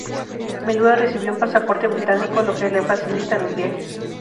Melua recibió un pasaporte británico, lo que le facilita los viajes.